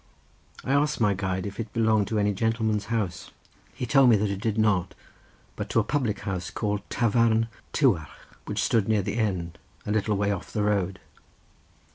I asked my guide if it belonged to any gentleman's house. He told me that it did not, but to a public house, called Tafarn Tywarch, which stood near the end, a little way off the road.